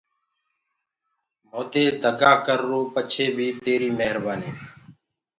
مودي دگآ ڪررو پڇي بيٚ تيريٚ مهربآنيٚ